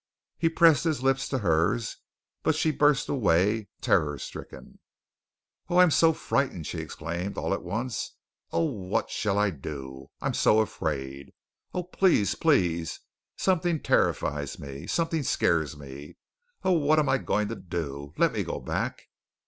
He pressed his lips to hers, but she burst away, terror stricken. "Oh, I am so frightened," she exclaimed all at once. "Oh, what shall I do? I am so afraid. Oh, please, please. Something terrifies me. Something scares me. Oh, what am I going to do? Let me go back."